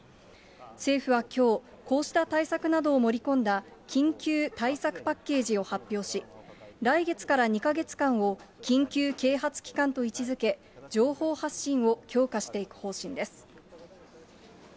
政府はきょう、こうした対策などを盛り込んだ緊急対策パッケージを発表し、来月から２か月間を緊急啓発期間と位置づけ、情報発信を強化していく方針です。